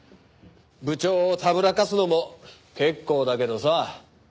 部長をたぶらかすのも結構だけどさ。